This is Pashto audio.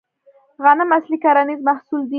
غنم اصلي کرنیز محصول دی